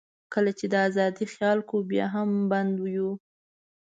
کله چې د آزادۍ خیال کوو، بیا هم بند یو.